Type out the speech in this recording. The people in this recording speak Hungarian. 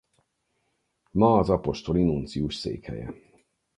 Ma az apostoli nuncius székhelye.